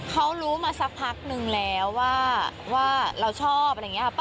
เขารู้มาสักพักนึงแล้วว่าเราชอบอะไรอย่างนี้